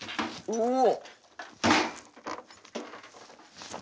おお！